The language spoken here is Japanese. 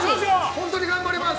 ◆本当に頑張ります。